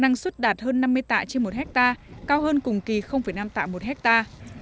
năng suất đạt hơn năm mươi tạ trên một hectare cao hơn cùng kỳ năm tạ một hectare